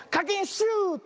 シュート！